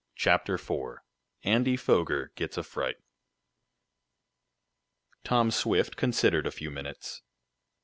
CHAPTER IV ANDY FOGER GETS A FRIGHT Tom Swift considered a few minutes.